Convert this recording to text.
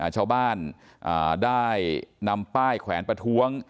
ชาวบ้านได้นำป้ายแขวนประท้วง